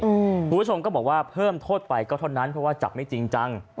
คุณผู้ชมก็บอกว่าเพิ่มโทษไปก็เท่านั้นเพราะว่าจับไม่จริงจัง